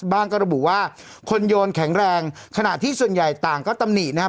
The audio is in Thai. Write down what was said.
ก็ระบุว่าคนโยนแข็งแรงขณะที่ส่วนใหญ่ต่างก็ตำหนินะครับ